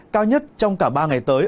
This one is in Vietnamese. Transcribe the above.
cao nhất trong cả ba ngày tới